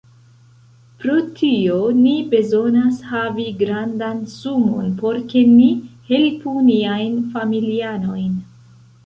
Pro tio, ni bezonas havi grandan sumon por ke ni helpu niajn familianojn